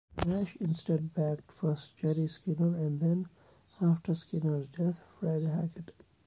Nash instead backed first Jerry Skinner and then, after Skinner's death, Fred Hackett.